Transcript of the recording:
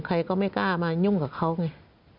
ใครก็ไม่กล้ามายุ่งกับเขาไง